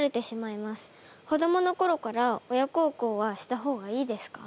子どものころから親孝行はした方がいいですか？